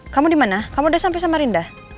kamu dimana kamu udah sampe sama rinda